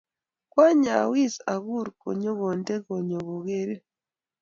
Kany awis akur kanyointe konyo kogerin.